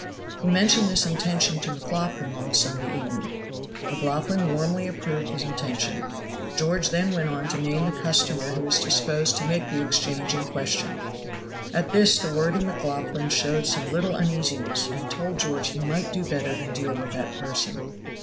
He mentioned this intention to McLaughlan one Sunday evening. McLaughlan warmly approved his intention. George then went on to name the customer who was disposed to make the exchange in question. At this the worthy McLaughlan showed some little uneasiness and told George he might do better than deal with that person.